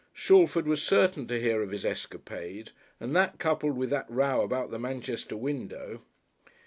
Shalford was certain to hear of his escapade, and that coupled with that row about the Manchester window